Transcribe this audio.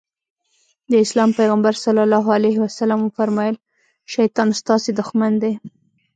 د اسلام پيغمبر ص وفرمايل شيطان ستاسې دښمن دی.